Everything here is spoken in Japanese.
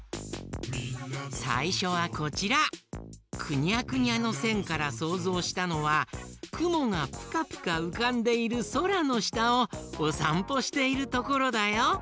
くにゃくにゃのせんからそうぞうしたのは「くもがぷかぷかうかんでいるそらのしたをおさんぽしているところ」だよ。